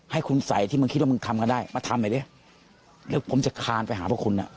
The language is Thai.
ให้คุณใส่ที่มึงคิดว่ามึงทำกันได้มาทำน่ะเรียงต้นจะคลานไปหาพวกคุณน่ะ